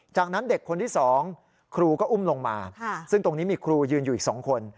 จากนั้นเด็กคนที่๒ครูก็อุ้มลงมาซึ่งตรงนี้มีครูยืนอยู่อีก๒คน